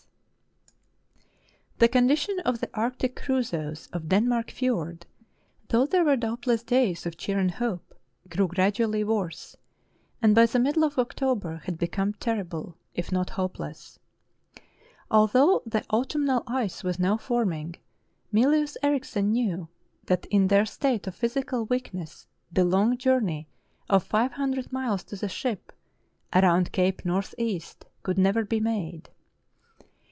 The Fidelity of Eskimo Bronlund 361 The condition of the arctic Crusoes of Denmark Fiord, though there were doubtless days of cheer and hope, grew gradually worse, and by the middle of October had become terrible, if not hopeless. Although the autumnal ice was now forming, Mylius Erichsen knew that in their state of physical weakness the long journey of five hundred miles to the ship, around Cape North east, could never be made.